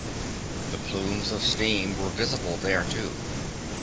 The plumes of steam were visible here, too.